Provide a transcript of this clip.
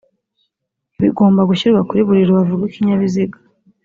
bigomba gushyirwa kuri buri rubavu rw ikinyabiziga